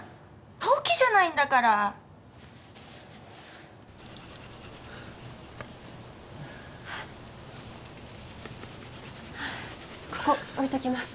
ほうきじゃないんだからここ置いときます